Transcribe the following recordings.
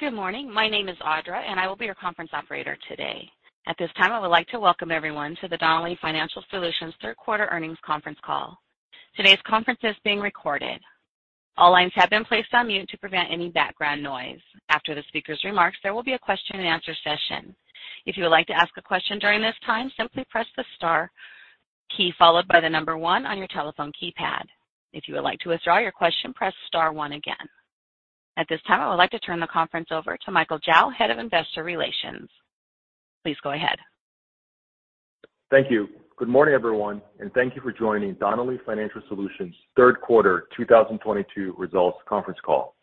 Good morning. My name is Audra, and I will be your conference operator today. At this time, I would like to welcome everyone to the Donnelley Financial Solutions third quarter earnings conference call. Today's conference is being recorded. All lines have been placed on mute to prevent any background noise. After the speaker's remarks, there will be a question-and-answer session. If you would like to ask a question during this time, simply press the star key followed by the number one on your telephone keypad. If you would like to withdraw your question, press star one again. At this time, I would like to turn the conference over to Michael Zhao, Head of Investor Relations. Please go ahead. Thank you. Good morning, everyone, and thank you for joining Donnelley Financial Solutions third quarter 2022 results conference call.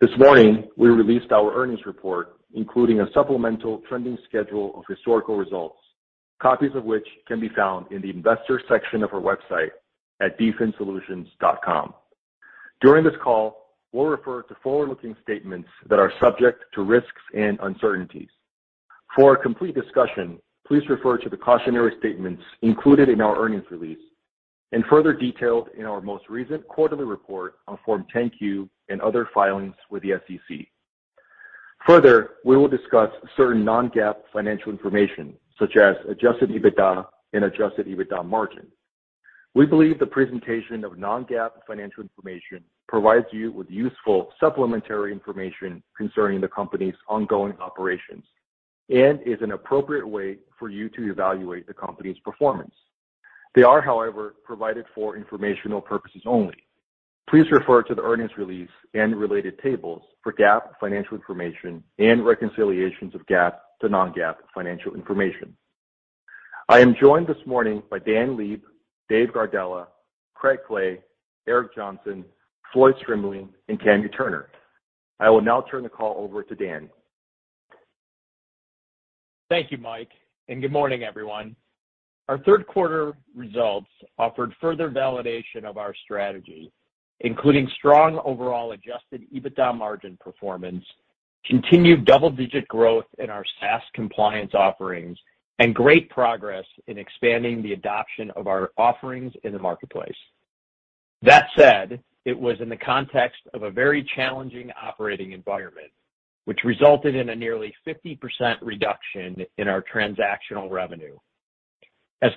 This morning, we released our earnings report, including a supplemental trending schedule of historical results, copies of which can be found in the investor section of our website at dfinsolutions.com. During this call, we'll refer to forward-looking statements that are subject to risks and uncertainties. For a complete discussion, please refer to the cautionary statements included in our earnings release and further detailed in our most recent quarterly report on Form 10-Q and other filings with the SEC. Further, we will discuss certain non-GAAP financial information such as adjusted EBITDA and adjusted EBITDA margin. We believe the presentation of non-GAAP financial information provides you with useful supplementary information concerning the company's ongoing operations and is an appropriate way for you to evaluate the company's performance. They are, however, provided for informational purposes only. Please refer to the earnings release and related tables for GAAP financial information and reconciliations of GAAP to non-GAAP financial information. I am joined this morning by Dan Leib, Dave Gardella, Craig Clay, Eric Johnson, Floyd Strimling, and Kami Turner. I will now turn the call over to Dan. Thank you, Mike, and good morning, everyone. Our third quarter results offered further validation of our strategy, including strong overall adjusted EBITDA margin performance, continued double-digit growth in our SaaS compliance offerings, and great progress in expanding the adoption of our offerings in the marketplace. That said, it was in the context of a very challenging operating environment, which resulted in a nearly 50% reduction in our transactional revenue.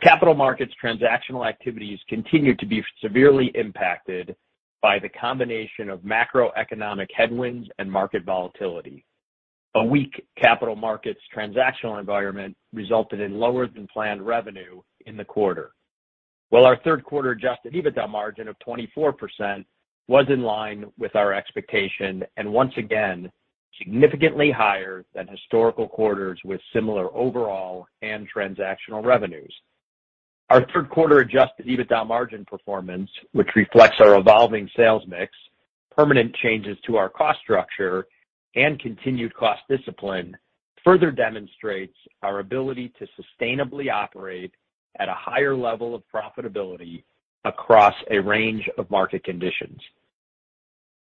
Capital markets transactional activities continued to be severely impacted by the combination of macroeconomic headwinds and market volatility, a weak capital markets transactional environment resulted in lower than planned revenue in the quarter. Our third quarter adjusted EBITDA margin of 24% was in line with our expectation, and once again, significantly higher than historical quarters with similar overall and transactional revenues. Our third quarter adjusted EBITDA margin performance, which reflects our evolving sales mix, permanent changes to our cost structure, and continued cost discipline, further demonstrates our ability to sustainably operate at a higher level of profitability across a range of market conditions.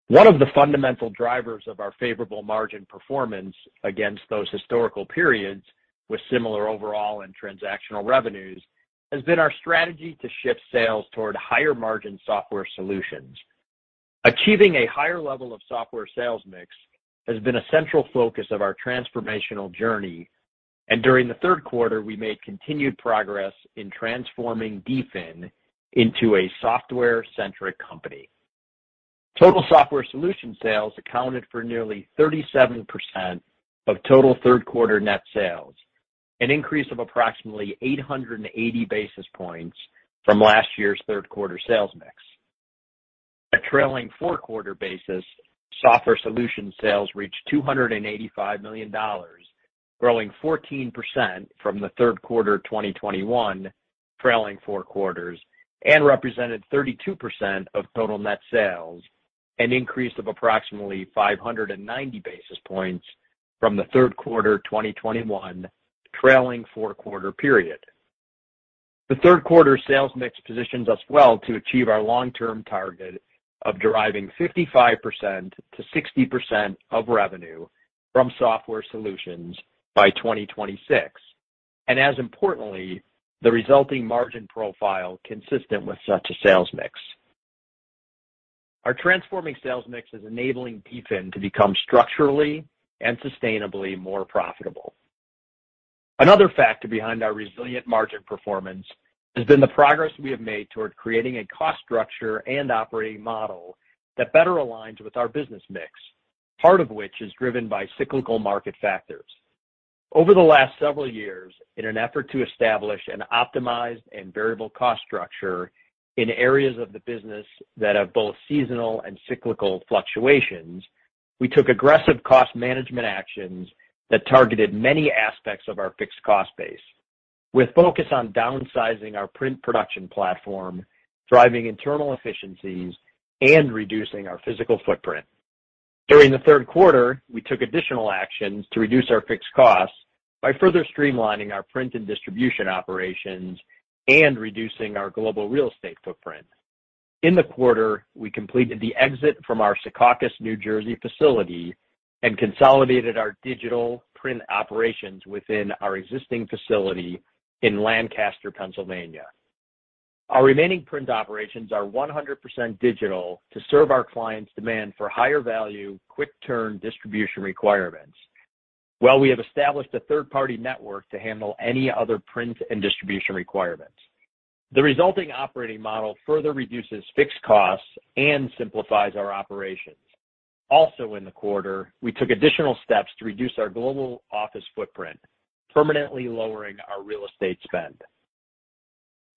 One of the fundamental drivers of our favorable margin performance against those historical periods with similar overall and transactional revenues has been our strategy to shift sales toward higher margin software solutions. Achieving a higher level of software sales mix has been a central focus of our transformational journey, and during the third quarter, we made continued progress in transforming DFIN into a software-centric company. Total software solution sales accounted for nearly 37% of total third quarter net sales, an increase of approximately 880 basis points from last year's third quarter sales mix. a trailing four-quarter basis, software solutions sales reached $285 million, growing 14% from the third quarter of 2021 trailing four quarters and represented 32% of total net sales, an increase of approximately 590 basis points from the third quarter of 2021 trailing four-quarter period. The third quarter sales mix positions us well to achieve our long-term target of deriving 55%-60% of revenue from software solutions by 2026, and as importantly, the resulting margin profile consistent with such a sales mix. Our transforming sales mix is enabling DFIN to become structurally and sustainably more profitable. Another factor behind our resilient margin performance has been the progress we have made toward creating a cost structure and operating model that better aligns with our business mix, part of which is driven by cyclical market factors. Over the last several years, in an effort to establish an optimized and variable cost structure in areas of the business that have both seasonal and cyclical fluctuations, we took aggressive cost management actions that targeted many aspects of our fixed cost base, with focus on downsizing our print production platform, driving internal efficiencies, and reducing our physical footprint. During the third quarter, we took additional actions to reduce our fixed costs by further streamlining our print and distribution operations and reducing our global real estate footprint. In the quarter, we completed the exit from our Secaucus, New Jersey facility and consolidated our digital print operations within our existing facility in Lancaster, Pennsylvania. Our remaining print operations are 100% digital to serve our clients' demand for higher value, quick turn distribution requirements. Well, we have established a third-party network to handle any other print and distribution requirements. The resulting operating model further reduces fixed costs and simplifies our operations. Also, in the quarter, we took additional steps to reduce our global office footprint, permanently lowering our real estate spend.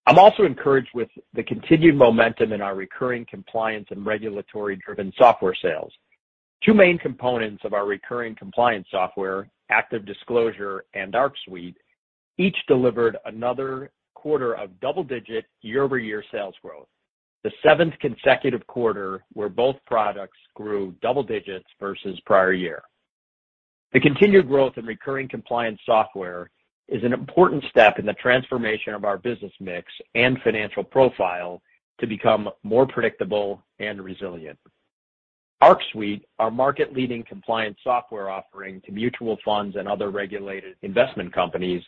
I'm also encouraged with the continued momentum in our recurring compliance and regulatory-driven software sales. Two main components of our recurring compliance software, ActiveDisclosure and ArcSuite, each delivered another quarter of double-digit year-over-year sales growth, the seventh consecutive quarter where both products grew double digits versus prior year. The continued growth in recurring compliance software is an important step in the transformation of our business mix and financial profile to become more predictable and resilient. ArcSuite, our market-leading compliance software offering to mutual funds and other regulated investment companies,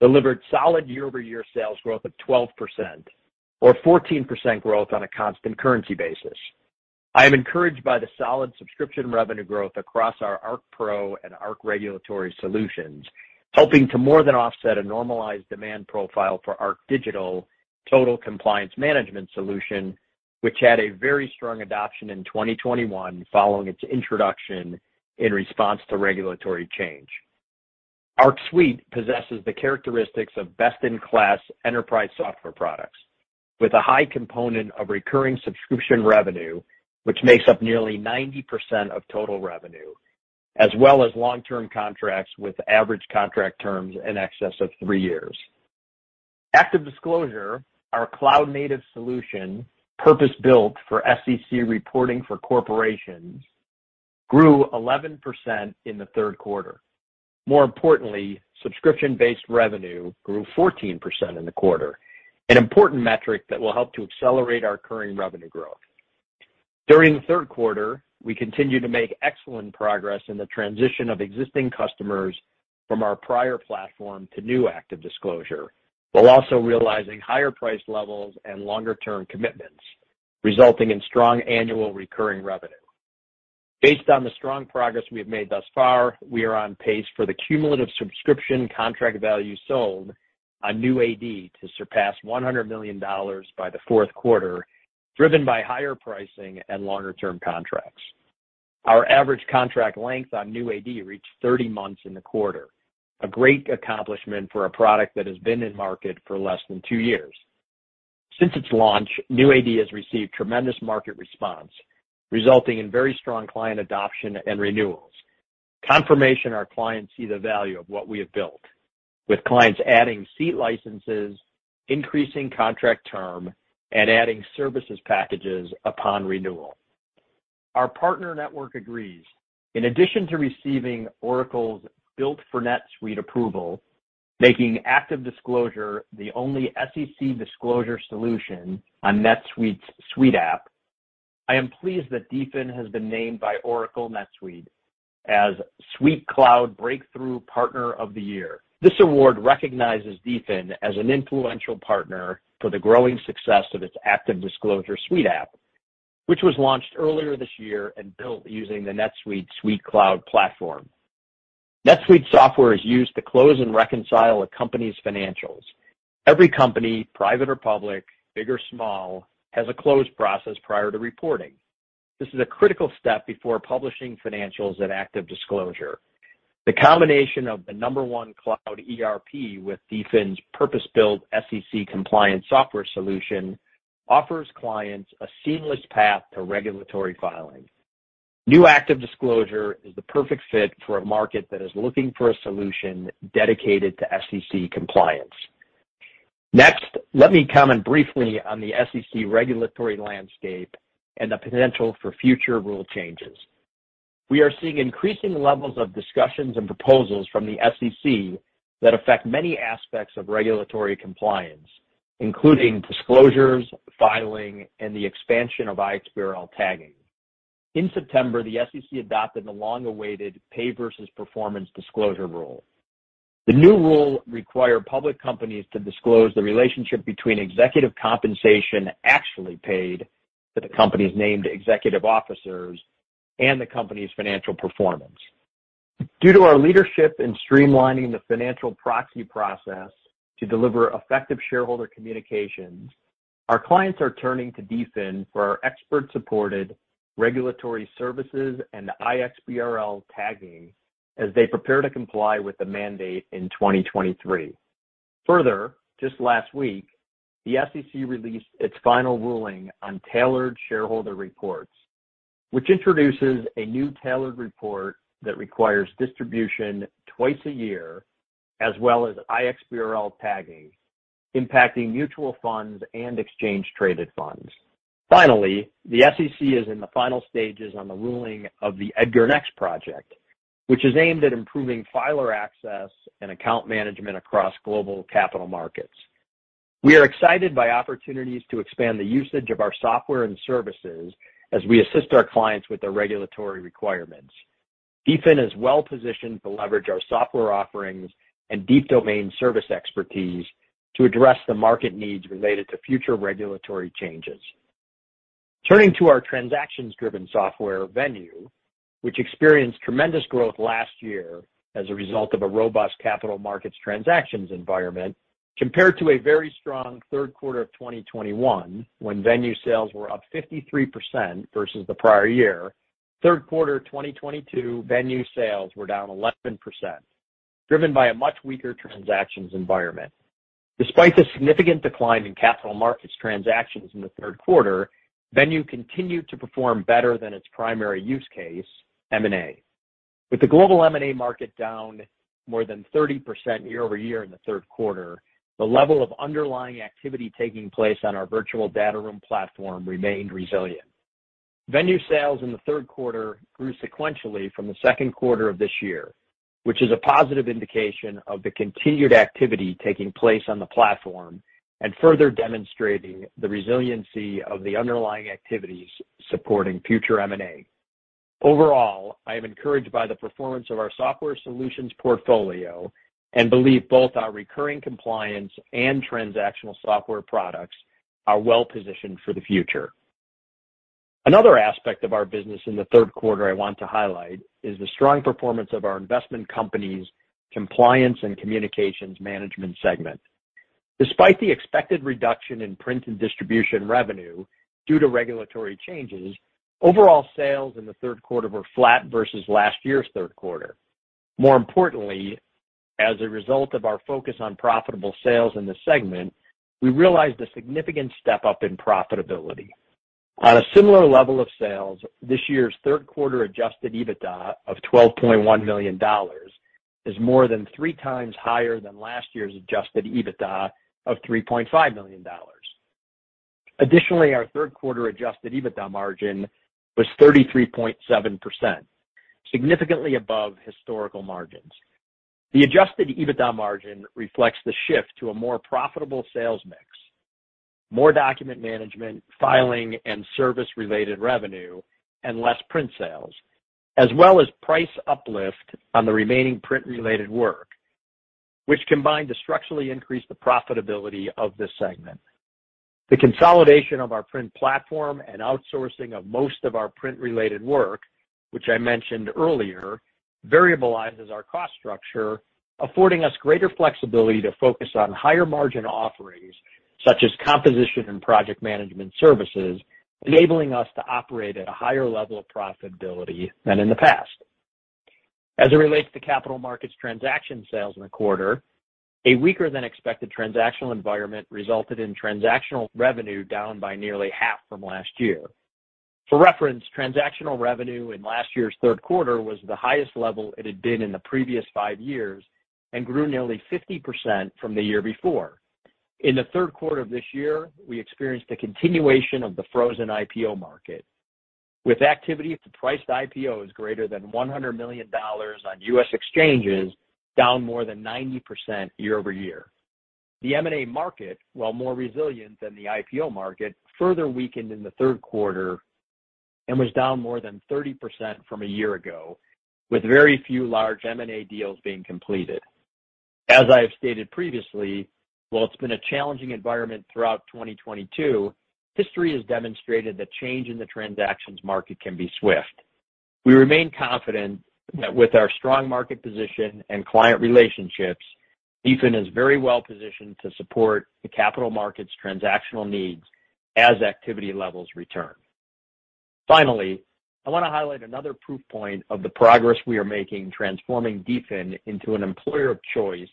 delivered solid year-over-year sales growth of 12% or 14% growth on a constant currency basis. I am encouraged by the solid subscription revenue growth across our ArcPro and ArcRegulatory Solutions, helping to more than offset a normalized demand profile for ArcDigital Total Compliance Management Solution, which had a very strong adoption in 2021 following its introduction in response to regulatory change. Arc Suite possesses the characteristics of best-in-class enterprise software products with a high component of recurring subscription revenue, which makes up nearly 90% of total revenue, as well as long-term contracts with average contract terms in excess of 3 years. ActiveDisclosure, our cloud-native solution, purpose-built for SEC reporting for corporations, grew 11% in the third quarter. More importantly, subscription-based revenue grew 14% in the quarter, an important metric that will help to accelerate our recurring revenue growth. During the third quarter, we continued to make excellent progress in the transition of existing customers from our prior platform to new Active Disclosure, while also realizing higher price levels and longer-term commitments, resulting in strong annual recurring revenue. Based on the strong progress we have made thus far, we are on pace for the cumulative subscription contract value sold on new AD to surpass $100 million by the fourth quarter, driven by higher pricing and longer-term contracts. Our average contract length on new AD reached 30 months in the quarter, a great accomplishment for a product that has been in market for less than two years. Since its launch, new AD has received tremendous market response, resulting in very strong client adoption and renewals. Confirmation that our clients see the value of what we have built, with clients adding seat licenses, increasing contract term, and adding services packages upon renewal. Our partner network agrees. In addition to receiving Oracle's Built for NetSuite approval, making ActiveDisclosure the only SEC disclosure solution on NetSuite's SuiteApp, I am pleased that DFIN has been named by Oracle NetSuite as SuiteCloud Breakthrough Partner of the Year. This award recognizes DFIN as an influential partner for the growing success of its ActiveDisclosure SuiteApp, which was launched earlier this year and built using the NetSuite SuiteCloud platform. NetSuite software is used to close and reconcile a company's financials. Every company, private or public, big or small, has a close process prior to reporting. This is a critical step before publishing financials in ActiveDisclosure. The combination of the number one cloud ERP with DFIN's purpose-built SEC compliance software solution offers clients a seamless path to regulatory filings. New Active Disclosure is the perfect fit for a market that is looking for a solution dedicated to SEC compliance. Next, let me comment briefly on the SEC regulatory landscape and the potential for future rule changes. We are seeing increasing levels of discussions and proposals from the SEC that affect many aspects of regulatory compliance, including disclosures, filing, and the expansion of iXBRL tagging. In September, the SEC adopted the long-awaited Pay versus Performance disclosure rule. The new rule require public companies to disclose the relationship between executive compensation actually paid to the company's named executive officers and the company's financial performance. Due to our leadership in streamlining the financial proxy process to deliver effective shareholder communications, our clients are turning to DFIN for our expert-supported regulatory services and iXBRL tagging as they prepare to comply with the mandate in 2023. Further, just last week, the SEC released its final ruling on tailored shareholder reports, which introduces a new tailored report that requires distribution twice a year, as well as iXBRL tagging, impacting mutual funds and exchange traded funds. Finally, the SEC is in the final stages on the ruling of the EDGAR Next project, which is aimed at improving filer access and account management across global capital markets. We are excited by opportunities to expand the usage of our software and services as we assist our clients with their regulatory requirements. DFIN is well-positioned to leverage our software offerings and deep domain service expertise to address the market needs related to future regulatory changes. Turning to our transactions-driven software Venue, which experienced tremendous growth last year as a result of a robust capital markets transactions environment compared to a very strong third quarter of 2021 when Venue sales were up 53% versus the prior year. Third quarter 2022 Venue sales were down 11%, driven by a much weaker transactions environment. Despite the significant decline in capital markets transactions in the third quarter, Venue continued to perform better than its primary use case, M&A. With the global M&A market down more than 30% year-over-year in the third quarter, the level of underlying activity taking place on our virtual data room platform remained resilient. Venue sales in the third quarter grew sequentially from the second quarter of this year, which is a positive indication of the continued activity taking place on the platform and further demonstrating the resiliency of the underlying activities supporting future M&A. Overall, I am encouraged by the performance of our software solutions portfolio and believe both our recurring compliance and transactional software products are well-positioned for the future. Another aspect of our business in the third quarter I want to highlight is the strong performance of our investment company's compliance and communications management segment. Despite the expected reduction in print and distribution revenue due to regulatory changes, overall sales in the third quarter were flat versus last year's third quarter. More importantly, as a result of our focus on profitable sales in the segment, we realized a significant step-up in profitability. On a similar level of sales, this year's third quarter adjusted EBITDA of $12.1 million is more than three times higher than last year's adjusted EBITDA of $3.5 million. Additionally, our third quarter adjusted EBITDA margin was 33.7%, significantly above historical margins. The adjusted EBITDA margin reflects the shift to a more profitable sales mix, more document management, filing, and service-related revenue, and less print sales, as well as price uplift on the remaining print-related work, which combined to structurally increase the profitability of this segment. The consolidation of our print platform and outsourcing of most of our print-related work, which I mentioned earlier, variabilizes our cost structure, affording us greater flexibility to focus on higher-margin offerings such as composition and project management services, enabling us to operate at a higher level of profitability than in the past. As it relates to capital markets transaction sales in the quarter, a weaker-than-expected transactional environment resulted in transactional revenue down by nearly half from last year. For reference, transactional revenue in last year's third quarter was the highest level it had been in the previous five years and grew nearly 50% from the year before. In the third quarter of this year, we experienced a continuation of the frozen IPO market, with activity to price IPOs greater than $100 million on U.S. exchanges down more than 90% year-over-year. The M&A market, while more resilient than the IPO market, further weakened in the third quarter and was down more than 30% from a year ago, with very few large M&A deals being completed. As I have stated previously, while it's been a challenging environment throughout 2022, history has demonstrated that change in the transactions market can be swift. We remain confident that with our strong market position and client relationships, DFIN is very well-positioned to support the capital markets transactional needs as activity levels return. Finally, I wanna highlight another proof point of the progress we are making transforming DFIN into an employer of choice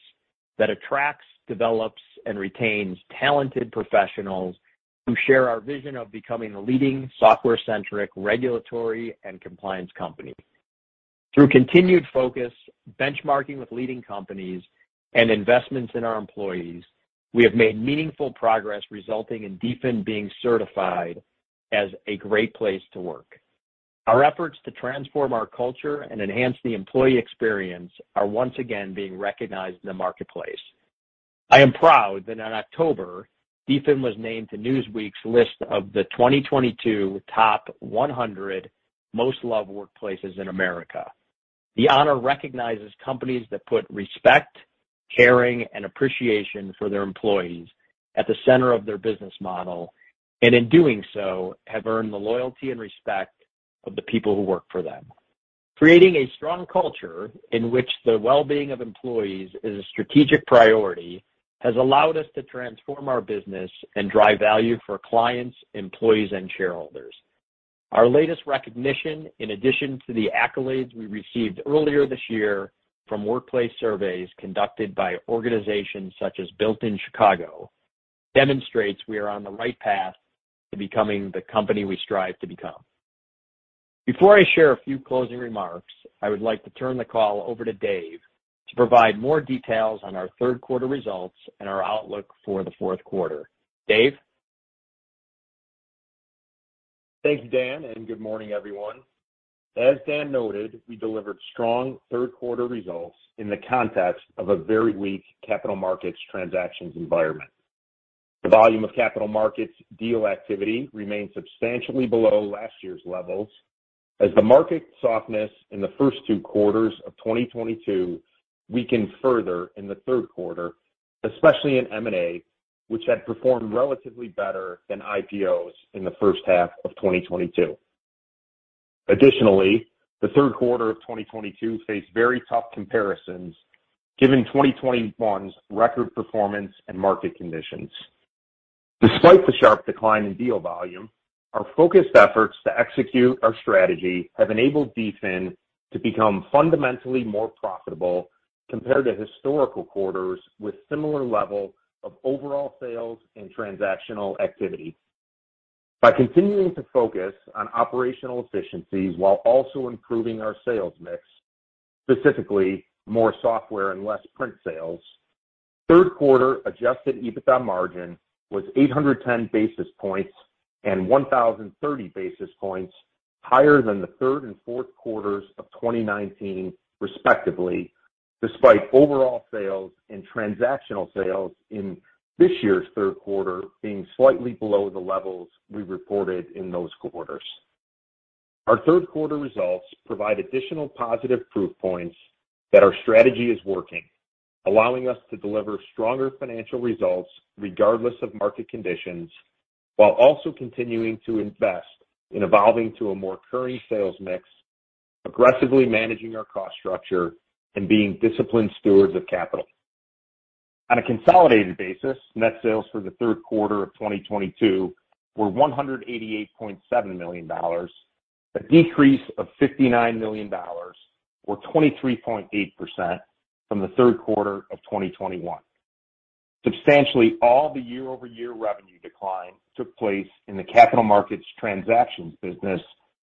that attracts, develops, and retains talented professionals who share our vision of becoming a leading software-centric regulatory and compliance company. Through continued focus, benchmarking with leading companies, and investments in our employees, we have made meaningful progress resulting in DFIN being certified as a great place to work. Our efforts to transform our culture and enhance the employee experience are once again being recognized in the marketplace. I am proud that in October, DFIN was named to Newsweek's list of the 2022 top 100 most loved workplaces in America. The honor recognizes companies that put respect, caring, and appreciation for their employees at the center of their business model, and in doing so, have earned the loyalty and respect of the people who work for them. Creating a strong culture in which the well-being of employees is a strategic priority has allowed us to transform our business and drive value for clients, employees, and shareholders. Our latest recognition, in addition to the accolades we received earlier this year from workplace surveys conducted by organizations such as Built In Chicago, demonstrates we are on the right path to becoming the company we strive to become. Before I share a few closing remarks, I would like to turn the call over to Dave to provide more details on our third quarter results and our outlook for the fourth quarter. Dave? Thank you, Dan, and good morning, everyone. As Dan noted, we delivered strong third quarter results in the context of a very weak capital markets transactions environment. The volume of capital markets deal activity remained substantially below last year's levels as the market softness in the first two quarters of 2022 weakened further in the third quarter, especially in M&A, which had performed relatively better than IPOs in the first half of 2022. Additionally, the third quarter of 2022 faced very tough comparisons given 2021's record performance and market conditions. Despite the sharp decline in deal volume, our focused efforts to execute our strategy have enabled DFIN to become fundamentally more profitable compared to historical quarters with similar level of overall sales and transactional activity. By continuing to focus on operational efficiencies while also improving our sales mix, specifically more software and less print sales, third quarter adjusted EBITDA margin was 810 basis points and 1,030 basis points higher than the third and fourth quarters of 2019, respectively, despite overall sales and transactional sales in this year's third quarter being slightly below the levels we reported in those quarters. Our third quarter results provide additional positive proof points that our strategy is working, allowing us to deliver stronger financial results regardless of market conditions, while also continuing to invest in evolving to a more recurring sales mix, aggressively managing our cost structure, and being disciplined stewards of capital. On a consolidated basis, net sales for the third quarter of 2022 were $188.7 million, a decrease of $59 million or 23.8% from the third quarter of 2021. Substantially all the year-over-year revenue decline took place in the capital markets transactions business,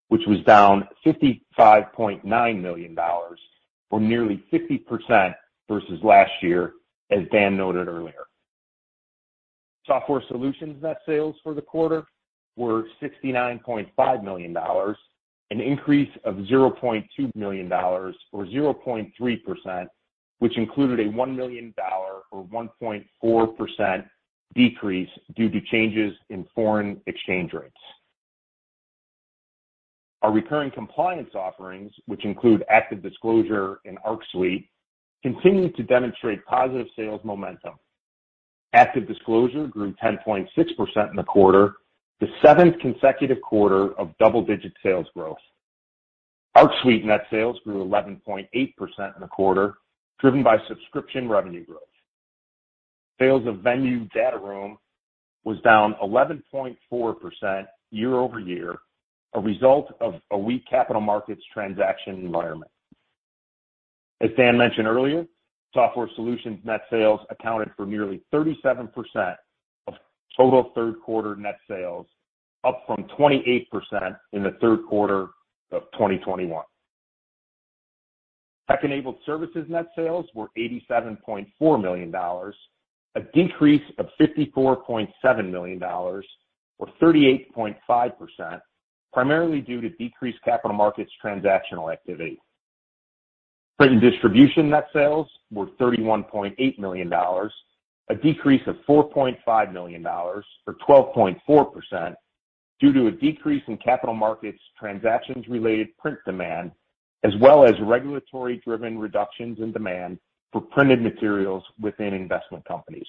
which was down $55.9 million or nearly 50% versus last year, as Dan noted earlier. Software solutions net sales for the quarter were $69.5 million, an increase of $0.2 million or 0.3%, which included a $1 million or 1.4% decrease due to changes in foreign exchange rates. Our recurring compliance offerings, which include ActiveDisclosure and Arc Suite, continued to demonstrate positive sales momentum. ActiveDisclosure grew 10.6% in the quarter, the seventh consecutive quarter of double-digit sales growth. Arc Suite net sales grew 11.8% in the quarter, driven by subscription revenue growth. Sales of Venue was down 11.4% year-over-year, a result of a weak capital markets transaction environment. As Dan mentioned earlier, software solutions net sales accounted for nearly 37% of total third quarter net sales, up from 28% in the third quarter of 2021. Tech-enabled services net sales were $87.4 million, a decrease of $54.7 million or 38.5%, primarily due to decreased capital markets transactional activity. Print and distribution net sales were $31.8 million, a decrease of $4.5 million or 12.4% due to a decrease in capital markets transactions-related print demand as well as regulatory-driven reductions in demand for printed materials within investment companies.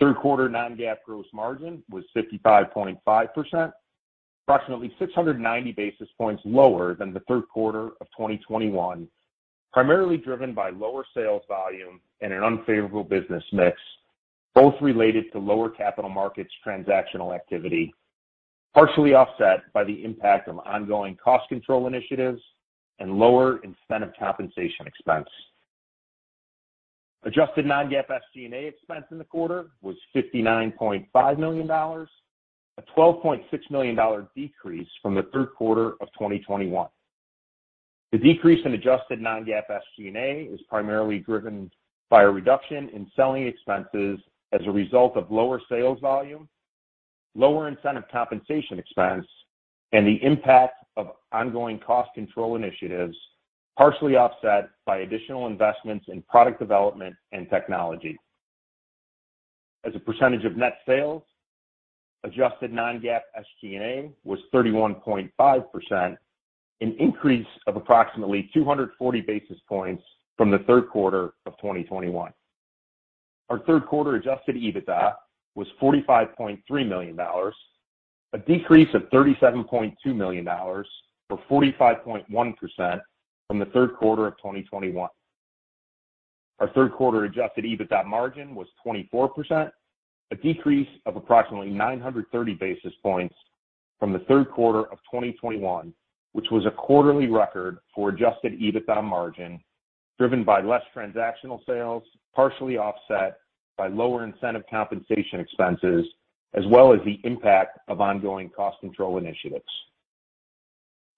Third quarter non-GAAP gross margin was 55.5%, approximately 690 basis points lower than the third quarter of 2021, primarily driven by lower sales volume and an unfavorable business mix, both related to lower capital markets transactional activity, partially offset by the impact of ongoing cost control initiatives and lower incentive compensation expense. Adjusted non-GAAP SG&A expense in the quarter was $59.5 million, a $12.6 million decrease from the third quarter of 2021. The decrease in adjusted non-GAAP SG&A is primarily driven by a reduction in selling expenses as a result of lower sales volume, lower incentive compensation expense, and the impact of ongoing cost control initiatives, partially offset by additional investments in product development and technology. As a percentage of net sales, adjusted non-GAAP SG&A was 31.5%, an increase of approximately 240 basis points from the third quarter of 2021. Our third quarter adjusted EBITDA was $45.3 million, a decrease of $37.2 million or 45.1% from the third quarter of 2021. Our third quarter adjusted EBITDA margin was 24%, a decrease of approximately 930 basis points from the third quarter of 2021, which was a quarterly record for adjusted EBITDA margin driven by less transactional sales, partially offset by lower incentive compensation expenses, as well as the impact of ongoing cost control initiatives.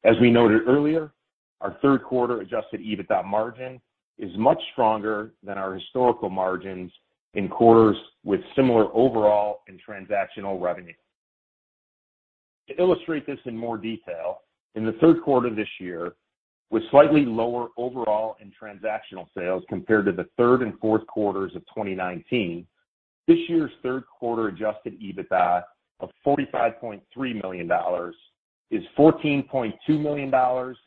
As we noted earlier, our third quarter adjusted EBITDA margin is much stronger than our historical margins in quarters with similar overall and transactional revenue. To illustrate this in more detail, in the third quarter of this year, with slightly lower overall and transactional sales compared to the third and fourth quarters of 2019, this year's third quarter adjusted EBITDA of $45.3 million is $14.2 million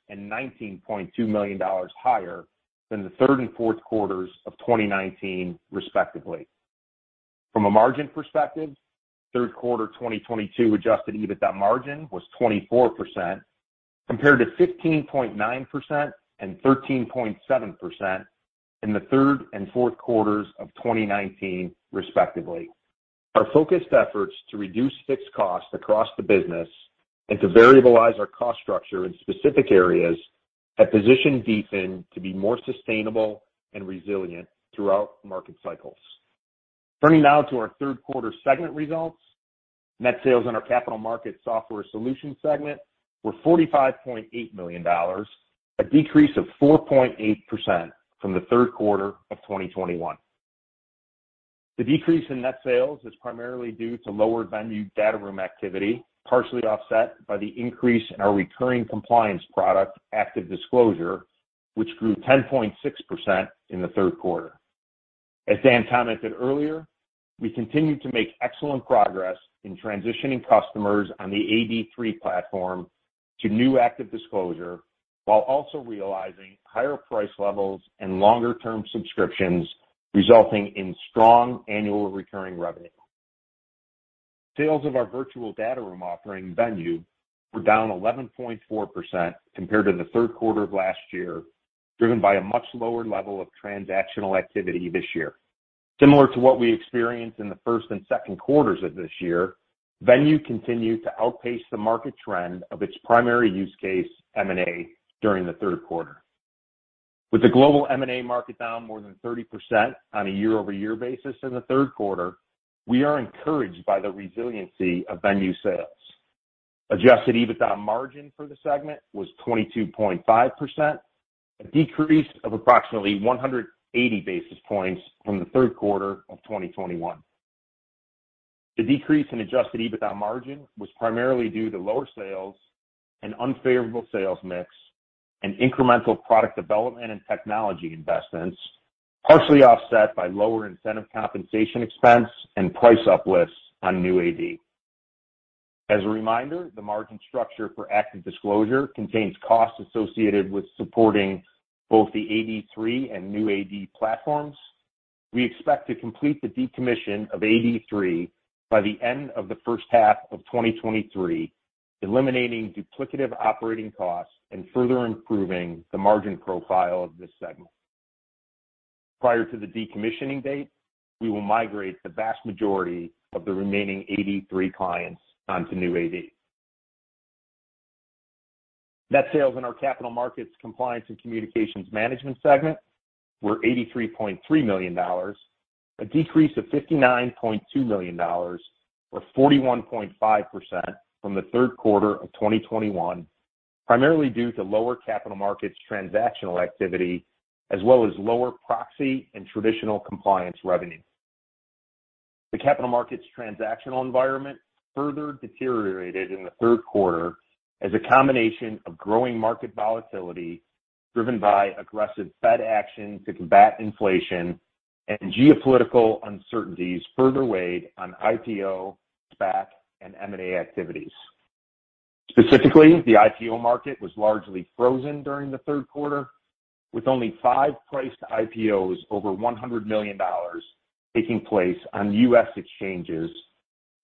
and $19.2 million higher than the third and fourth quarters of 2019 respectively. From a margin perspective, third quarter 2022 adjusted EBITDA margin was 24% compared to 15.9% and 13.7% in the third and fourth quarters of 2019 respectively. Our focused efforts to reduce fixed costs across the business and to variabilize our cost structure in specific areas have positioned DFIN to be more sustainable and resilient throughout market cycles. Turning now to our third quarter segment results, net sales in our capital market software solutions segment were $45.8 million, a decrease of 4.8% from the third quarter of 2021. The decrease in net sales is primarily due to lower Venue data room activity, partially offset by the increase in our recurring compliance product, ActiveDisclosure, which grew 10.6% in the third quarter. As Dan commented earlier, we continue to make excellent progress in transitioning customers on the AD3 platform to new ActiveDisclosure, while also realizing higher price levels and longer-term subscriptions, resulting in strong annual recurring revenue. Sales of our virtual data room offering, Venue, were down 11.4% compared to the third quarter of last year, driven by a much lower level of transactional activity this year. Similar to what we experienced in the first and second quarters of this year, Venue continued to outpace the market trend of its primary use case, M&A, during the third quarter. With the global M&A market down more than 30% on a year-over-year basis in the third quarter, we are encouraged by the resiliency of Venue sales. Adjusted EBITDA margin for the segment was 22.5%, a decrease of approximately 180 basis points from the third quarter of 2021. The decrease in adjusted EBITDA margin was primarily due to lower sales and unfavorable sales mix and incremental product development and technology investments, partially offset by lower incentive compensation expense and price uplifts on new AD. As a reminder, the margin structure for Active Disclosure contains costs associated with supporting both the AD3 and new AD platforms. We expect to complete the decommission of AD3 by the end of the first half of 2023, eliminating duplicative operating costs and further improving the margin profile of this segment. Prior to the decommissioning date, we will migrate the vast majority of the remaining AD3 clients onto new AD. Net sales in our Capital Markets Compliance and Communications Management segment were $83.3 million, a decrease of $59.2 million, or 41.5% from the third quarter of 2021, primarily due to lower capital markets transactional activity as well as lower proxy and traditional compliance revenue. The capital markets transactional environment further deteriorated in the third quarter as a combination of growing market volatility driven by aggressive Fed action to combat inflation and geopolitical uncertainties further weighed on IPO, SPAC, and M&A activities. Specifically, the IPO market was largely frozen during the third quarter, with only 5 priced IPOs over $100 million taking place on U.S. exchanges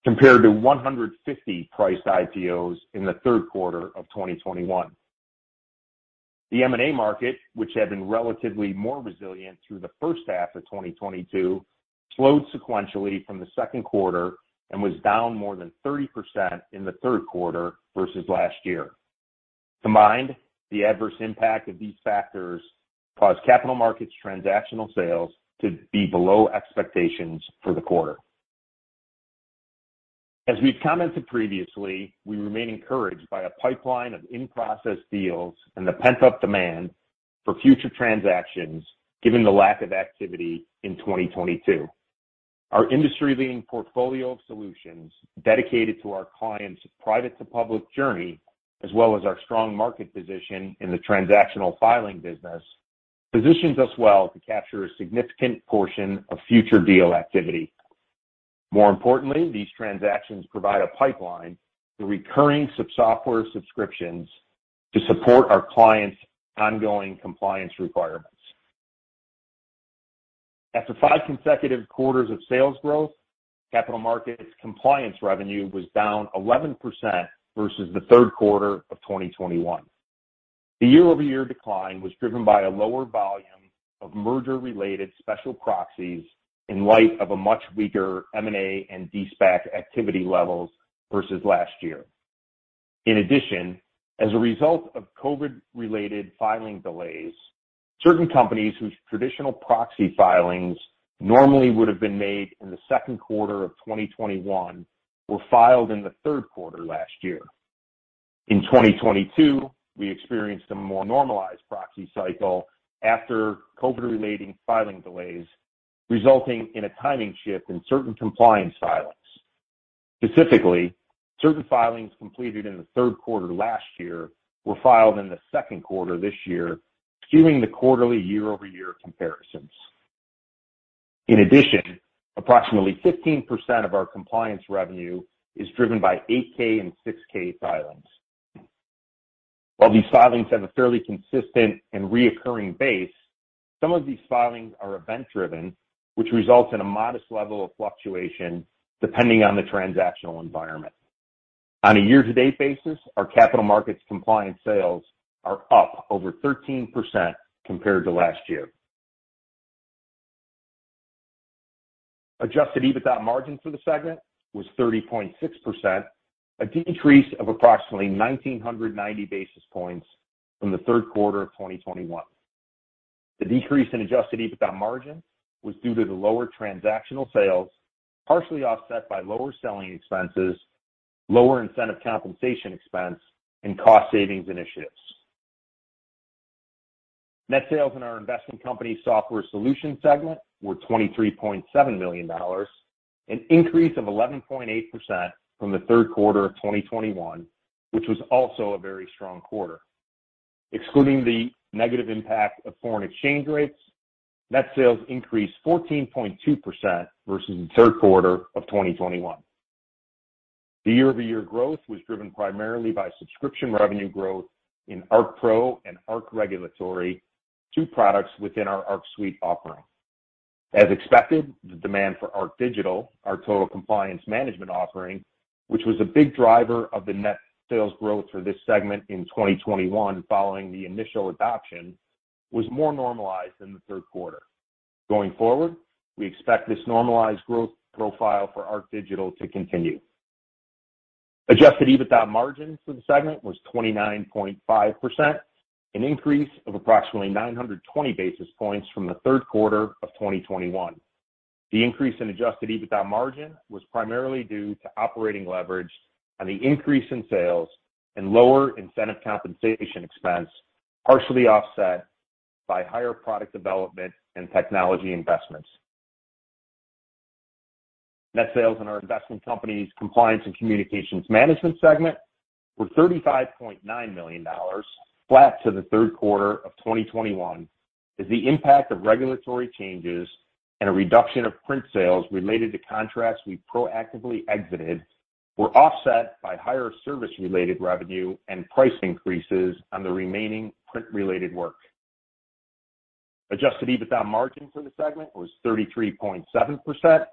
compared to 150 priced IPOs in the third quarter of 2021. The M&A market, which had been relatively more resilient through the first half of 2022, slowed sequentially from the second quarter and was down more than 30% in the third quarter versus last year. Combined, the adverse impact of these factors caused capital markets transactional sales to be below expectations for the quarter. As we've commented previously, we remain encouraged by a pipeline of in-process deals and the pent-up demand for future transactions given the lack of activity in 2022. Our industry-leading portfolio of solutions dedicated to our clients' private-to-public journey, as well as our strong market position in the transactional filing business, positions us well to capture a significant portion of future deal activity. More importantly, these transactions provide a pipeline for recurring software subscriptions to support our clients' ongoing compliance requirements. After 5 consecutive quarters of sales growth, capital markets compliance revenue was down 11% versus the third quarter of 2021. The year-over-year decline was driven by a lower volume of merger-related special proxies in light of a much weaker M&A and De-SPAC activity levels versus last year. In addition, as a result of COVID-related filing delays, certain companies whose traditional proxy filings normally would have been made in the second quarter of 2021 were filed in the third quarter last year. In 2022, we experienced a more normalized proxy cycle after COVID-related filing delays, resulting in a timing shift in certain compliance filings. Specifically, certain filings completed in the third quarter last year were filed in the second quarter this year, skewing the quarterly year-over-year comparisons. In addition, approximately 15% of our compliance revenue is driven by 8-K and 6-K filings. While these filings have a fairly consistent and recurring base, some of these filings are event-driven, which results in a modest level of fluctuation depending on the transactional environment. On a year-to-date basis, our capital markets compliance sales are up over 13% compared to last year. Adjusted EBITDA margin for the segment was 30.6%, a decrease of approximately 1,990 basis points from the third quarter of 2021. The decrease in adjusted EBITDA margin was due to the lower transactional sales, partially offset by lower selling expenses, lower incentive compensation expense, and cost savings initiatives. Net sales in our investment company software solutions segment were $23.7 million, an increase of 11.8% from the third quarter of 2021, which was also a very strong quarter. Excluding the negative impact of foreign exchange rates, net sales increased 14.2% versus the third quarter of 2021. The year-over-year growth was driven primarily by subscription revenue growth in ArcPro and ArcRegulatory, two products within our Arc Suite offering. As expected, the demand for ArcDigital, our total compliance management offering, which was a big driver of the net sales growth for this segment in 2021 following the initial adoption, was more normalized in the third quarter. Going forward, we expect this normalized growth profile for ArcDigital to continue. Adjusted EBITDA margin for the segment was 29.5%, an increase of approximately 920 basis points from the third quarter of 2021. The increase in adjusted EBITDA margin was primarily due to operating leverage on the increase in sales and lower incentive compensation expense, partially offset by higher product development and technology investments. Net sales in our investment company's compliance and communications management segment were $35.9 million, flat to the third quarter of 2021 as the impact of regulatory changes and a reduction of print sales related to contracts we proactively exited were offset by higher service-related revenue and price increases on the remaining print-related work. Adjusted EBITDA margin for the segment was 33.7%,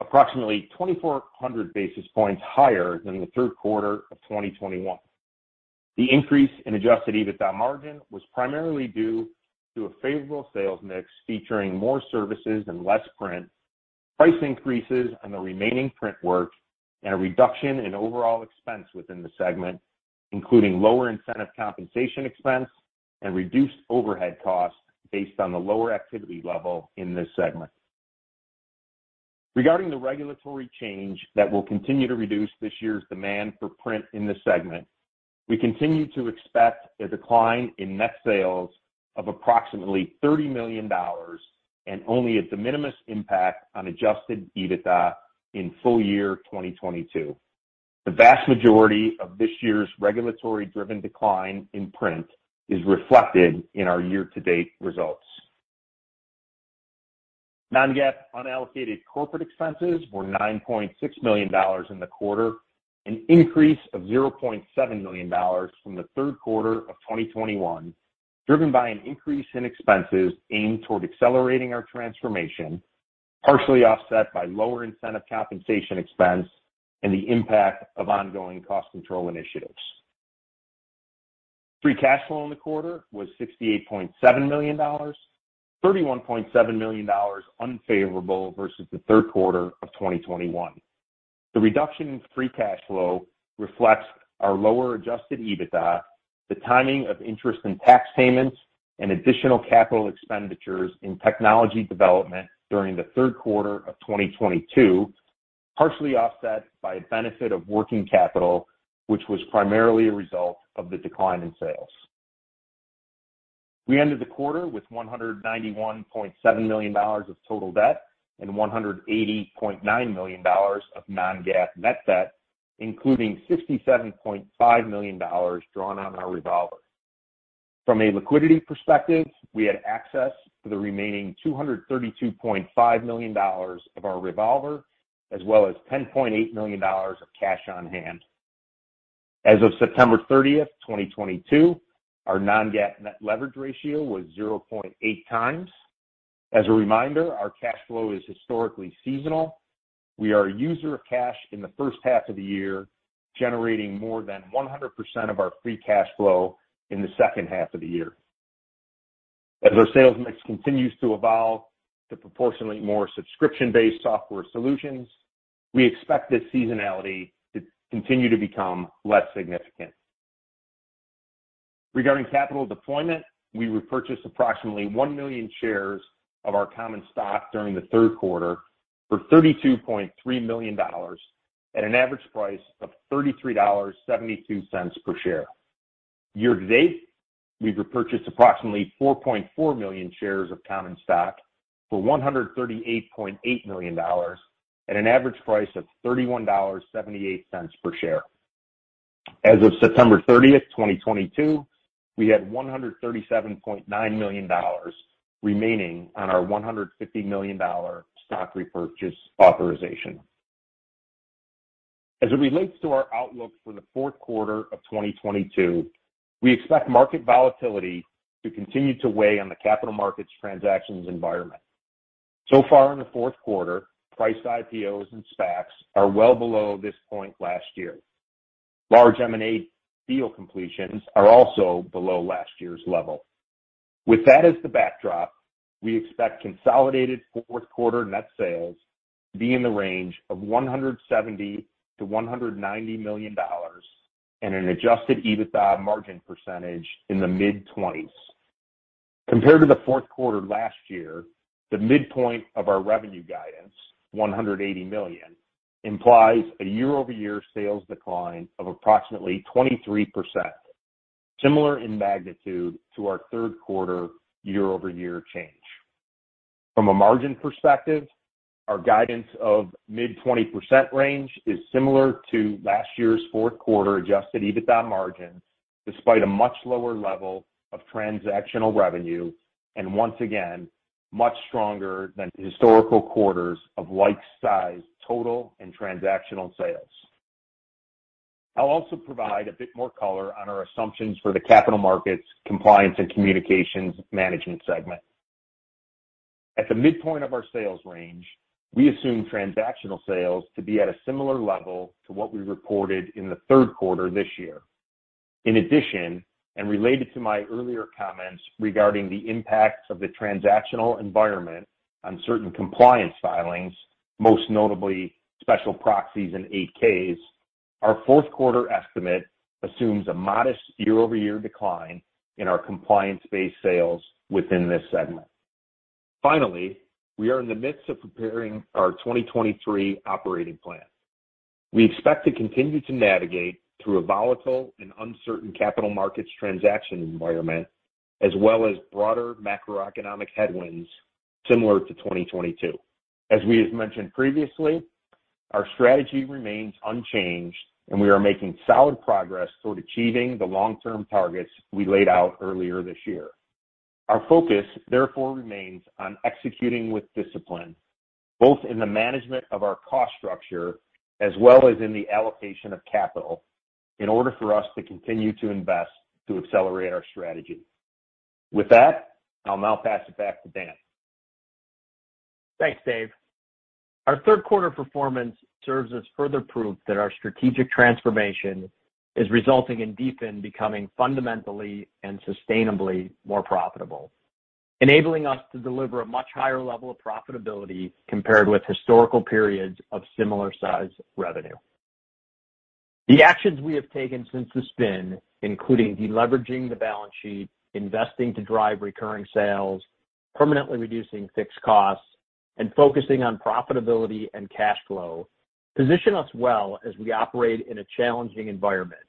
approximately 2,400 basis points higher than the third quarter of 2021. The increase in adjusted EBITDA margin was primarily due to a favorable sales mix featuring more services and less print, price increases on the remaining print work, and a reduction in overall expense within the segment, including lower incentive compensation expense and reduced overhead costs based on the lower activity level in this segment. Regarding the regulatory change that will continue to reduce this year's demand for print in this segment, we continue to expect a decline in net sales of approximately $30 million and only a de minimis impact on adjusted EBITDA in full year 2022. The vast majority of this year's regulatory-driven decline in print is reflected in our year-to-date results. non-GAAP unallocated corporate expenses were $9.6 million in the quarter, an increase of $0.7 million from the third quarter of 2021, driven by an increase in expenses aimed toward accelerating our transformation, partially offset by lower incentive compensation expense and the impact of ongoing cost control initiatives. Free cash flow in the quarter was $68.7 million, $31.7 million unfavorable versus the third quarter of 2021. The reduction in free cash flow reflects our lower adjusted EBITDA, the timing of interest and tax payments, and additional capital expenditures in technology development during the third quarter of 2022, partially offset by a benefit of working capital, which was primarily a result of the decline in sales. We ended the quarter with $191.7 million of total debt and $180.9 million of non-GAAP net debt, including $67.5 million drawn on our revolver. From a liquidity perspective, we had access to the remaining $232.5 million of our revolver, as well as $10.8 million of cash on hand. As of September 30, 2022, our non-GAAP net leverage ratio was 0.8x. As a reminder, our cash flow is historically seasonal. We are a user of cash in the first half of the year, generating more than 100% of our free cash flow in the second half of the year. As our sales mix continues to evolve to proportionately more subscription-based software solutions, we expect this seasonality to continue to become less significant. Regarding capital deployment, we repurchased approximately 1 million shares of our common stock during the third quarter for $32.3 million at an average price of $33.72 per share. Year to date, we've repurchased approximately 4.4 million shares of common stock for $138.8 million at an average price of $31.78 per share. As of September 30, 2022, we had $137.9 million remaining on our $150 million stock repurchase authorization. As it relates to our outlook for the fourth quarter of 2022, we expect market volatility to continue to weigh on the capital markets transactions environment. So far in the fourth quarter, priced IPOs and SPACs are well below this point last year. Large M&A deal completions are also below last year's level. With that as the backdrop, we expect consolidated fourth quarter net sales to be in the range of $170 million-$190 million and an adjusted EBITDA margin percentage in the mid-20s. Compared to the fourth quarter last year, the midpoint of our revenue guidance, $180 million, implies a year-over-year sales decline of approximately 23%, similar in magnitude to our third quarter year-over-year change. From a margin perspective, our guidance of mid-20% range is similar to last year's fourth quarter adjusted EBITDA margin, despite a much lower level of transactional revenue, and once again, much stronger than historical quarters of like-sized total and transactional sales. I'll also provide a bit more color on our assumptions for the capital markets compliance and communications management segment. At the midpoint of our sales range, we assume transactional sales to be at a similar level to what we reported in the third quarter this year. In addition, and related to my earlier comments regarding the impacts of the transactional environment on certain compliance filings, most notably special proxies and 8-Ks, our fourth quarter estimate assumes a modest year-over-year decline in our compliance-based sales within this segment. Finally, we are in the midst of preparing our 2023 operating plan. We expect to continue to navigate through a volatile and uncertain capital markets transaction environment, as well as broader macroeconomic headwinds similar to 2022. As we have mentioned previously, our strategy remains unchanged, and we are making solid progress toward achieving the long-term targets we laid out earlier this year. Our focus therefore remains on executing with discipline, both in the management of our cost structure as well as in the allocation of capital in order for us to continue to invest to accelerate our strategy. With that, I'll now pass it back to Dan. Thanks, Dave. Our third quarter performance serves as further proof that our strategic transformation is resulting in DFIN becoming fundamentally and sustainably more profitable, enabling us to deliver a much higher level of profitability compared with historical periods of similar size revenue. The actions we have taken since the spin, including deleveraging the balance sheet, investing to drive recurring sales, permanently reducing fixed costs, and focusing on profitability and cash flow position us well as we operate in a challenging environment.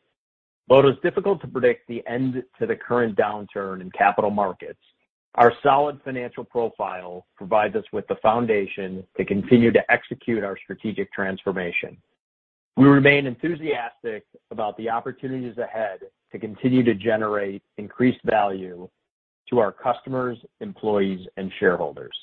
Though it is difficult to predict the end to the current downturn in capital markets, our solid financial profile provides us with the foundation to continue to execute our strategic transformation. We remain enthusiastic about the opportunities ahead to continue to generate increased value to our customers, employees, and shareholders.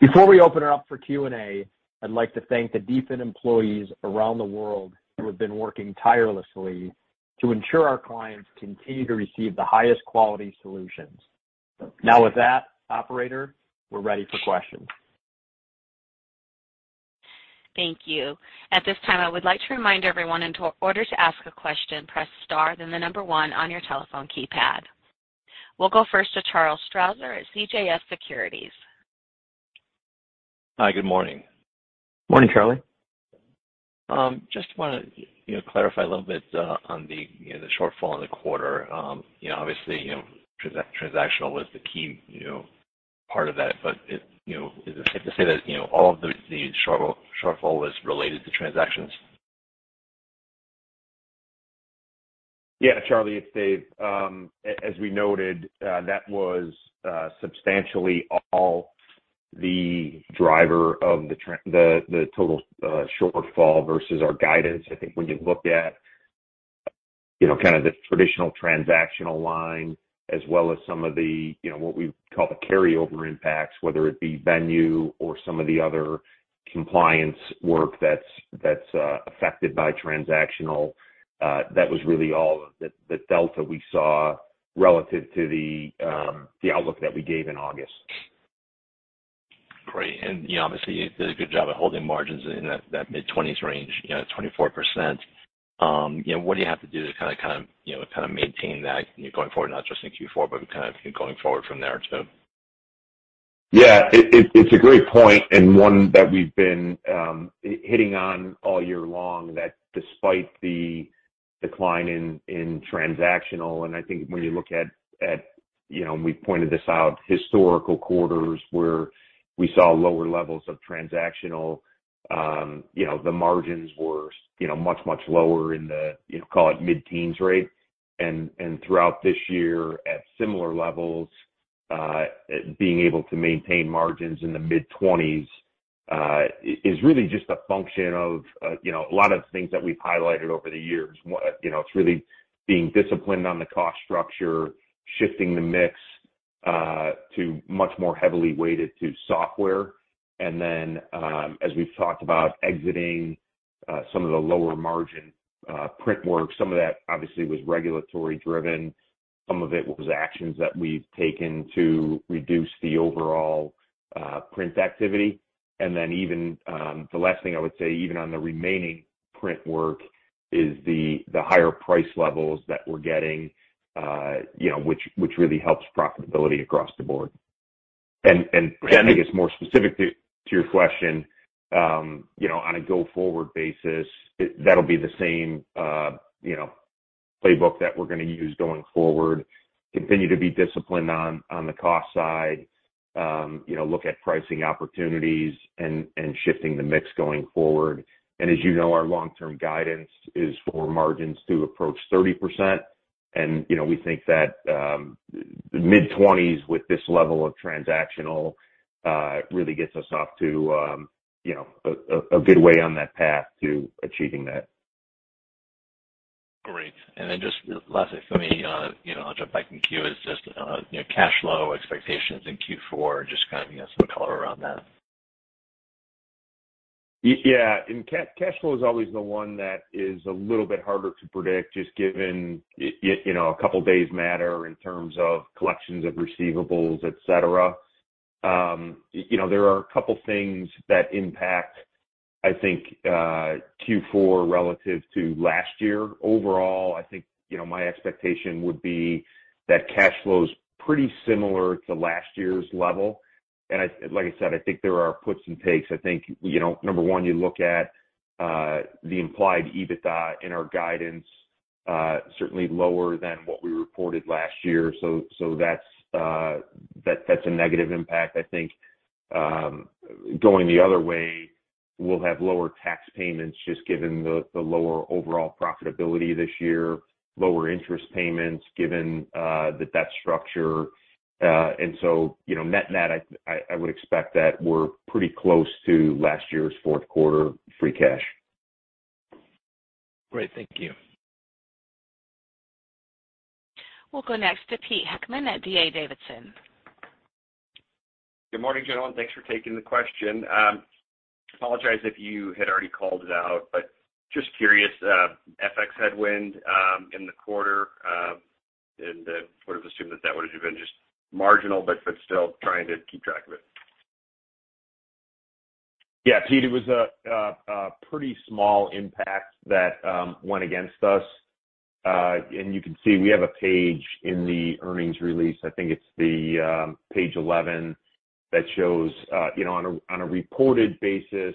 Before we open it up for Q&A, I'd like to thank the DFIN employees around the world who have been working tirelessly to ensure our clients continue to receive the highest quality solutions. Now with that, operator, we're ready for questions. Thank you. At this time, I would like to remind everyone in order to ask a question, press star, then the number one on your telephone keypad. We'll go first to Charles Strauzer at CJS Securities. Hi, good morning. Morning, Charlie. Just wanna, you know, clarify a little bit, on the, you know, the shortfall in the quarter. You know, obviously, you know, transactional was the key, you know, part of that. Is it safe to say that, you know, all of the shortfall was related to transactions? Yeah, Charlie, it's Dave. As we noted, that was substantially all the driver of the total shortfall versus our guidance. I think when you look at, you know, kinda the traditional transactional line as well as some of the, you know, what we call the carryover impacts, whether it be Venue or some of the other compliance work that's affected by transactional, that was really all of the delta we saw relative to the outlook that we gave in August. Great. You know, obviously you did a good job at holding margins in that mid-twenties range, you know, at 24%. You know, what do you have to do to kinda maintain that going forward, not just in Q4, but kind of going forward from there too? Yeah, it's a great point and one that we've been hitting on all year long, that despite the decline in transactional, and I think when you look at you know, we pointed this out, historical quarters where we saw lower levels of transactional you know, the margins were you know, much lower in the you know, call it mid-teens rate. Throughout this year at similar levels, being able to maintain margins in the mid-20s is really just a function of you know, a lot of things that we've highlighted over the years. You know, it's really being disciplined on the cost structure, shifting the mix to much more heavily weighted to software. Then, as we've talked about exiting some of the lower margin print work, some of that obviously was regulatory driven. Some of it was actions that we've taken to reduce the overall print activity. Even the last thing I would say, even on the remaining print work is the higher price levels that we're getting, you know, which really helps profitability across the board. I guess more specific to your question, you know, on a go-forward basis, that'll be the same playbook that we're gonna use going forward, continue to be disciplined on the cost side, you know, look at pricing opportunities and shifting the mix going forward. As you know, our long-term guidance is for margins to approach 30%. You know, we think that mid-20s with this level of transactional really gets us off to, you know, a good way on that path to achieving that. Great. Just lastly for me, you know, I'll jump back in queue. It's just, you know, cash flow expectations in Q4, just kind of, you know, some color around that. Yeah. Cash flow is always the one that is a little bit harder to predict just given you know, a couple days matter in terms of collections of receivables, et cetera. You know, there are a couple things that impact, I think, Q4 relative to last year. Overall, I think, you know, my expectation would be that cash flow is pretty similar to last year's level. Like I said, I think there are puts and takes. I think, you know, number one, you look at the implied EBITDA in our guidance, certainly lower than what we reported last year. So that's a negative impact. I think, going the other way, we'll have lower tax payments just given the lower overall profitability this year, lower interest payments given the debt structure. You know, net-net, I would expect that we're pretty close to last year's fourth quarter free cash. Great. Thank you. We'll go next to Peter Heckmann at D.A. Davidson. Good morning, gentlemen. Thanks for taking the question. Apologize if you had already called it out, but just curious, FX headwind in the quarter, and would have assumed that would have been just marginal, but still trying to keep track of it. Yeah, Pete, it was a pretty small impact that went against us. You can see we have a page in the earnings release, I think it's the page 11, that shows, you know, on a reported basis,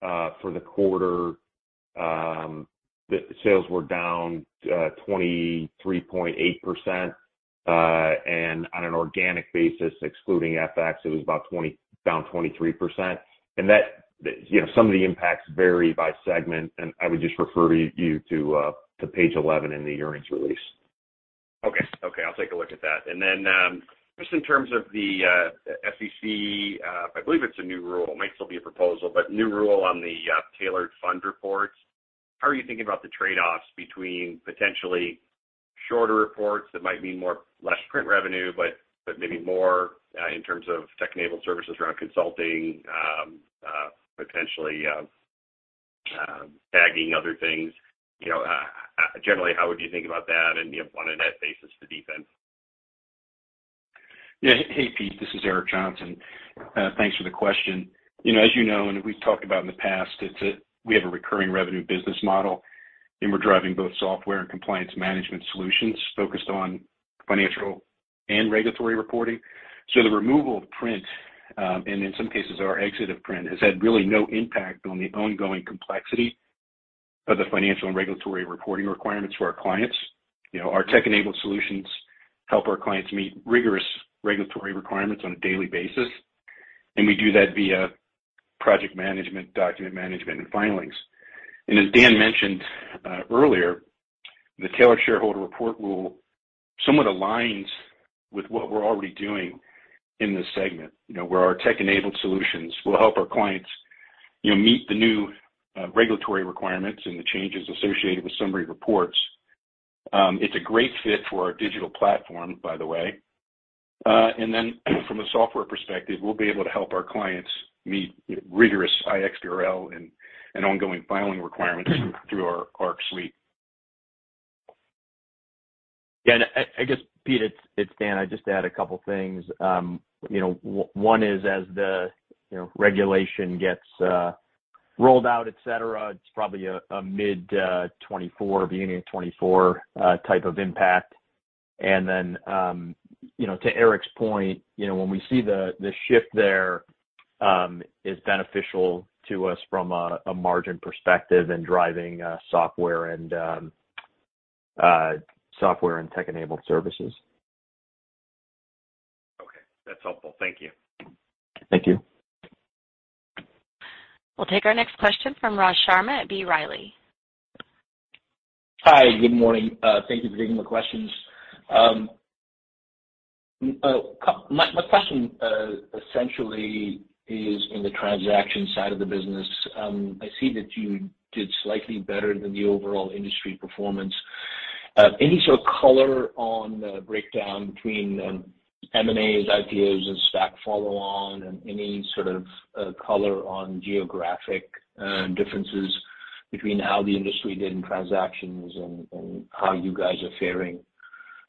for the quarter, the sales were down 23.8%. On an organic basis, excluding FX, it was about down 23%. That, you know, some of the impacts vary by segment, and I would just refer you to page 11 in the earnings release. Okay. Okay, I'll take a look at that. Just in terms of the SEC, I believe it's a new rule. It might still be a proposal, but new rule on the tailored shareholder reports. How are you thinking about the trade-offs between potentially shorter reports that might mean less print revenue, but maybe more in terms of tech-enabled services around consulting, potentially tagging other things. You know, generally, how would you think about that and, you know, on a net basis to DFIN? Yeah. Hey, Peter, this is Eric Johnson. Thanks for the question. You know, as you know, and we've talked about in the past, we have a recurring revenue business model, and we're driving both software and compliance management solutions focused on financial and regulatory reporting. The removal of print, and in some cases our exit of print, has had really no impact on the ongoing complexity of the financial and regulatory reporting requirements for our clients. You know, our tech-enabled solutions help our clients meet rigorous regulatory requirements on a daily basis, and we do that via project management, document management, and filings. As Dan mentioned earlier, the Tailored Shareholder Report rule somewhat aligns with what we're already doing in this segment, you know, where our tech-enabled solutions will help our clients, you know, meet the new regulatory requirements and the changes associated with summary reports. It's a great fit for our digital platform, by the way. From a software perspective, we'll be able to help our clients meet rigorous iXBRL and ongoing filing requirements through our suite. I guess, Peter, it's Dan. I'd just add a couple of things. You know, one is as the, you know, regulation gets Rolled out, et cetera. It's probably a mid-2024, beginning of 2024, type of impact. You know, to Eric's point, you know, when we see the shift there is beneficial to us from a margin perspective and driving software and tech-enabled services. Okay. That's helpful. Thank you. Thank you. We'll take our next question from Rajiv Sharma at B. Riley. Hi. Good morning. Thank you for taking my questions. My question essentially is in the transaction side of the business. I see that you did slightly better than the overall industry performance. Any sort of color on the breakdown between M&As, IPOs and SPAC follow-on and any sort of color on geographic differences between how the industry did in transactions and how you guys are faring?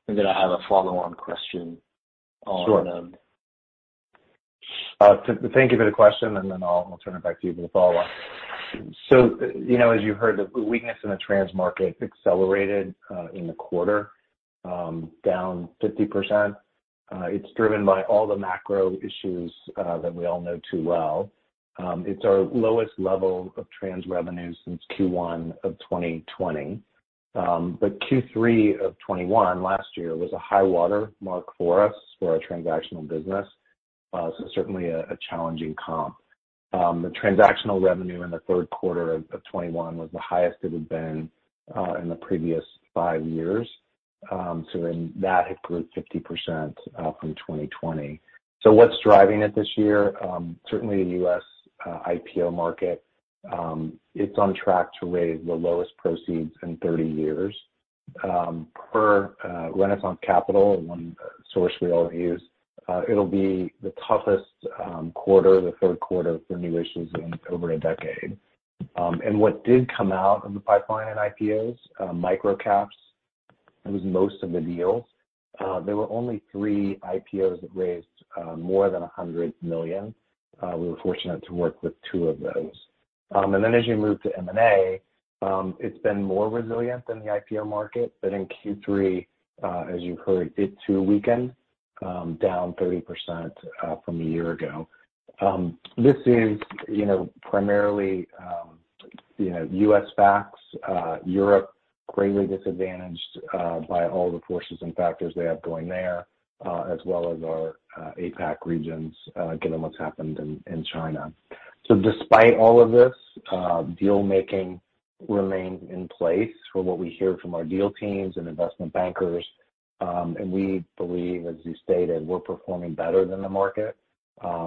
I have a follow-on question on- Sure. Thank you for the question, and then I'll turn it back to you for the follow-up. You know, as you heard, the weakness in the trans market accelerated in the quarter, down 50%. It's driven by all the macro issues that we all know too well. It's our lowest level of trans revenue since Q1 of 2020. Q3 of 2021 last year was a high-water mark for us for our transactional business. Certainly a challenging comp. The transactional revenue in the third quarter of 2021 was the highest it had been in the previous five years. That improved 50% from 2020. What's driving it this year? Certainly the U.S. IPO market, it's on track to raise the lowest proceeds in 30 years. Per Renaissance Capital, one source we all use, it'll be the toughest quarter, the third quarter for new issues in over a decade. What did come out of the pipeline in IPOs, microcaps. It was most of the deals. There were only three IPOs that raised more than $100 million. We were fortunate to work with two of those. Then as you move to M&A, it's been more resilient than the IPO market, but in Q3, as you heard, it did too weaken down 30% from a year ago. This is, you know, primarily, you know, US SPACs, Europe greatly disadvantaged by all the forces and factors they have going there, as well as our APAC regions, given what's happened in China. Despite all of this, deal-making remains in place from what we hear from our deal teams and investment bankers. We believe, as you stated, we're performing better than the market.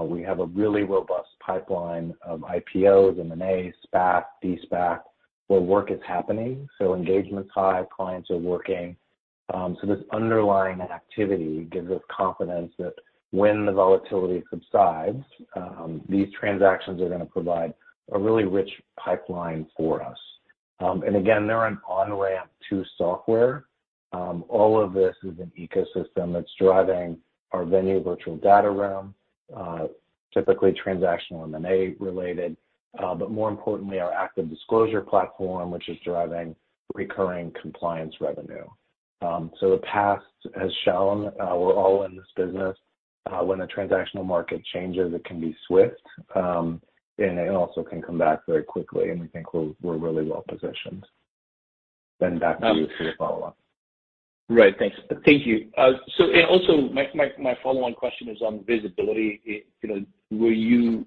We have a really robust pipeline of IPOs, M&A, SPAC, De-SPAC, where work is happening, so engagement's high, clients are working. This underlying activity gives us confidence that when the volatility subsides, these transactions are gonna provide a really rich pipeline for us. Again, they're an on-ramp to software. All of this is an ecosystem that's driving our Venue virtual data room, typically transactional, M&A related, but more importantly, our ActiveDisclosure platform, which is driving recurring compliance revenue. The past has shown we're all in this business. When the transactional market changes, it can be swift, and it also can come back very quickly, and we think we're really well positioned. Back to you for your follow-up. Right. Thanks. Thank you. My follow-on question is on visibility. You know, you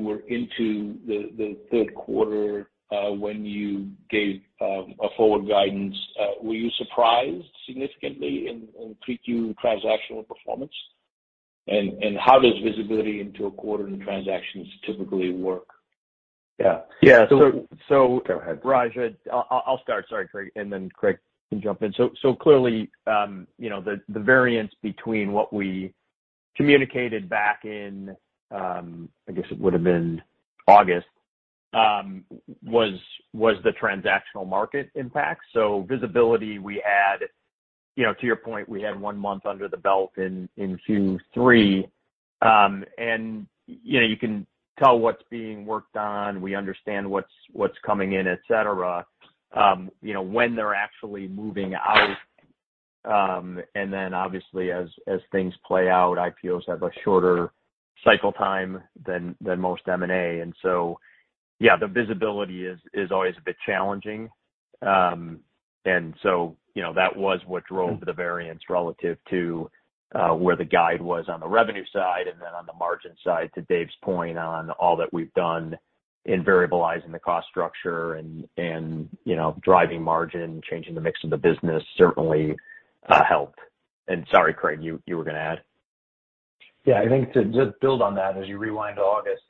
were into the third quarter when you gave forward guidance. Were you surprised significantly in Q2 transactional performance? And how does visibility into a quarter in transactions typically work? Go ahead. Rajiv, I'll start. Sorry, Craig, and then Craig can jump in. Clearly, you know, the variance between what we communicated back in, I guess it would've been August, was the transactional market impact. Visibility we had, you know, to your point, we had one month under the belt in Q3. And, you know, you can tell what's being worked on. We understand what's coming in, et cetera. You know, when they're actually moving out. And then obviously as things play out, IPOs have a shorter cycle time than most M&A. Yeah, the visibility is always a bit challenging. You know, that was what drove the variance relative to where the guide was on the revenue side and then on the margin side. To Dave's point, on all that we've done in variabilizing the cost structure and, you know, driving margin, changing the mix of the business certainly helped. Sorry, Craig, you were gonna add? Yeah. I think to just build on that, as you rewind to August,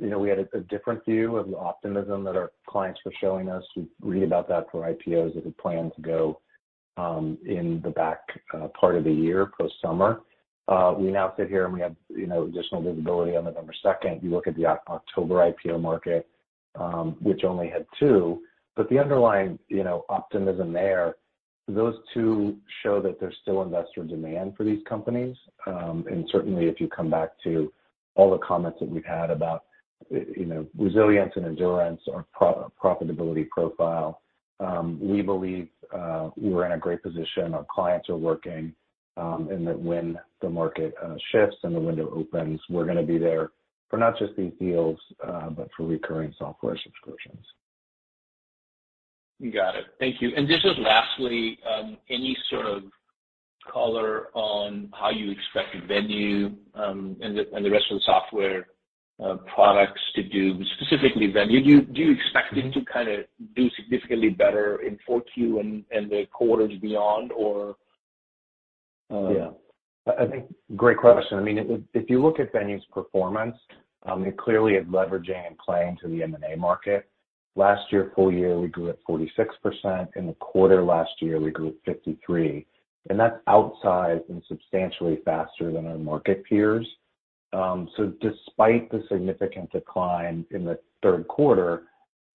you know, we had a different view of the optimism that our clients were showing us. We read about that for IPOs that had planned to go in the back part of the year, post-summer. We now sit here and we have, you know, additional visibility on November second. You look at the October IPO market, which only had two. The underlying, you know, optimism there. Those two show that there's still investor demand for these companies. Certainly if you come back to all the comments that we've had about, you know, resilience and endurance, our strong profitability profile, we believe, we're in a great position. Our clients are working, and the fact that when the market shifts and the window opens, we're gonna be there for not just these deals, but for recurring software subscriptions. Got it. Thank you. Just lastly, any sort of color on how you expect Venue and the rest of the software products to do, specifically Venue. Do you expect it to kind of do significantly better in 4Q and the quarters beyond or? Yeah. I think great question. I mean, if you look at Venue's performance, it clearly is leveraging and playing to the M&A market. Last year, full year, we grew at 46%. In the quarter last year, we grew at 53%, and that's outsized and substantially faster than our market peers. Despite the significant decline in the third quarter,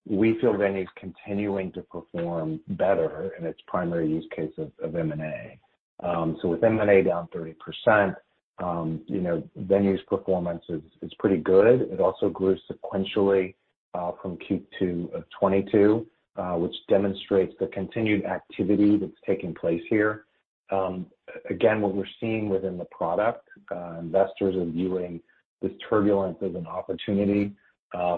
we feel Venue's continuing to perform better in its primary use case of M&A. With M&A down 30%, you know, Venue's performance is pretty good. It also grew sequentially from Q2 of 2022, which demonstrates the continued activity that's taking place here. Again, what we're seeing within the product, investors are viewing this turbulence as an opportunity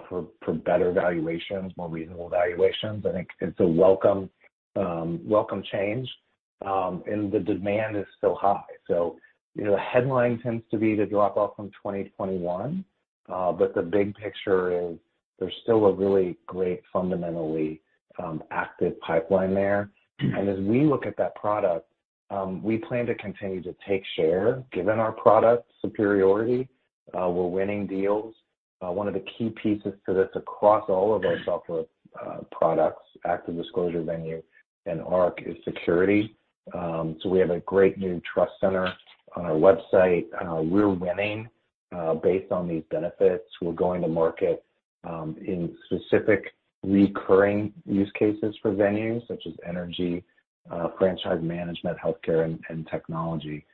for better valuations, more reasonable valuations. I think it's a welcome change. The demand is still high. You know, the headline tends to be the drop-off from 2021, but the big picture is there's still a really great fundamentally active pipeline there. As we look at that product, we plan to continue to take share given our product superiority. We're winning deals. One of the key pieces to this across all of our software products, ActiveDisclosure, Venue, and Arc, is security. We have a great new trust center on our website. We're winning based on these benefits. We're going to market in specific recurring use cases for Venue, such as energy, franchise management, healthcare, and technology.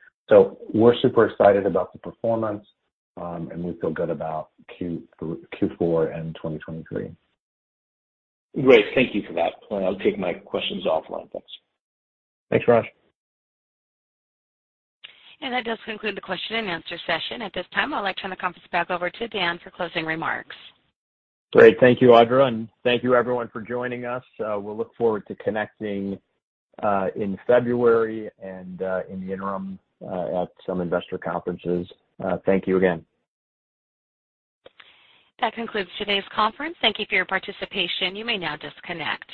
We're super excited about the performance, and we feel good about Q4 and 2023. Great. Thank you for that. I'll take my questions offline. Thanks. Thanks, Rajiv. That does conclude the question and answer session. At this time, I'd like to turn the conference back over to Dan for closing remarks. Great. Thank you, Audra, and thank you everyone for joining us. We'll look forward to connecting in February and in the interim at some investor conferences. Thank you again. That concludes today's conference. Thank you for your participation. You may now disconnect.